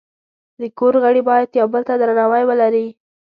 د کور غړي باید یو بل ته درناوی ولري.